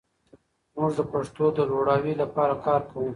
موږ د پښتو د لوړاوي لپاره کار کوو.